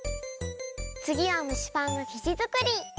つぎは蒸しパンのきじづくり！